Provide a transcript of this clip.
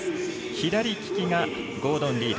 左利きがゴードン・リード。